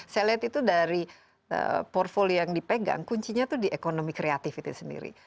saya lihat itu dari portfolio yang dipegang kuncinya itu di ekonomi kreatif itu sendiri